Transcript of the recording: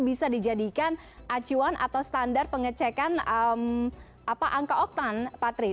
bisa dijadikan acuan atau standar pengecekan angka oktan patri